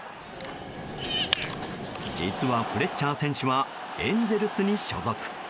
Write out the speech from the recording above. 実は、フレッチャー選手はエンゼルスに所属。